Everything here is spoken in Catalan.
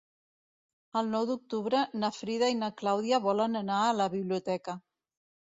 El nou d'octubre na Frida i na Clàudia volen anar a la biblioteca.